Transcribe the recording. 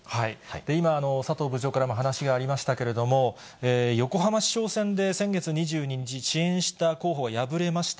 今、佐藤部長からも話がありましたけれども、横浜市長選で先月２２日、支援した候補が敗れました。